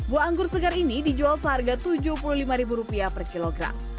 buah anggur segar ini dijual seharga tujuh puluh lima ribu rupiah per kilogram